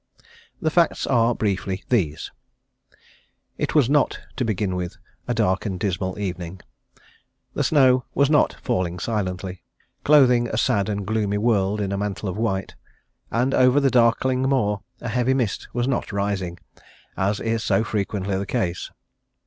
The facts are briefly these: It was not, to begin with, a dark and dismal evening. The snow was not falling silently, clothing a sad and gloomy world in a mantle of white, and over the darkling moor a heavy mist was not rising, as is so frequently the case.